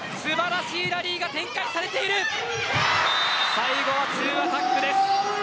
最後はツーアタックです。